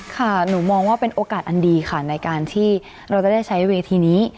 หนูมองว่าเป็นโอกาสอันดีค่ะในการที่เราจะได้ใช้เวทีนี้